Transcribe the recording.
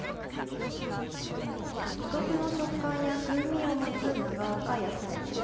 独特の食感や風味を持つ長岡野菜。